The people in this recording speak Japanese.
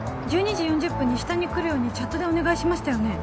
１２時４０分に下に来るようにチャットでお願いしましたよね？